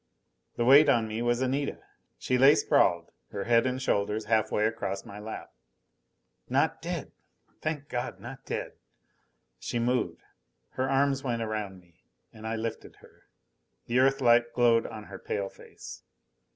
The weight on me was Anita. She lay sprawled, her head and shoulders half way across my lap. Not dead! Thank God, not dead! She moved. Her arms went around me, and I lifted her. The Earthlight glowed on her pale face.